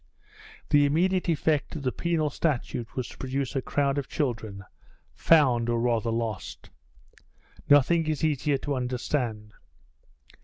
The immediate effect of the penal statute was to produce a crowd of children, found or rather lost. Nothing is easier to understand.